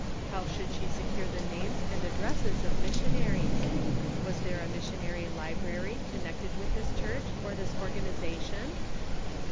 How should she secure the names and addresses of missionaries ? Was there a missionary library connected with this church, or this organization?